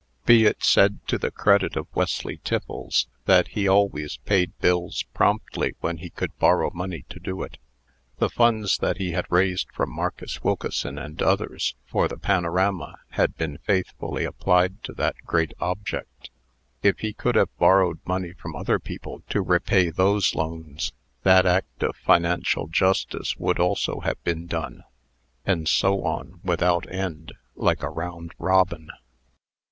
Be it said to the credit of Wesley Tiffles, that he always paid bills promptly when he could borrow money to do it. The funds that he had raised from Marcus Wilkeson, and others, for the panorama, had been faithfully applied to that great object. If he could have borrowed money from other people to repay those loans, that act of financial justice would also have been done; and so on without end, like a round robin.